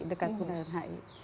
dekat bundaran hai